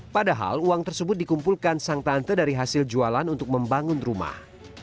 padahal uang tersebut dikumpulkan sang tante dari hasil jualan untuk membangun rumah